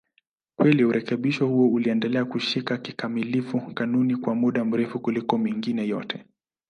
Kweli urekebisho huo uliendelea kushika kikamilifu kanuni kwa muda mrefu kuliko mengine yote.